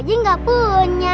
tapi ama dasya aja gak punya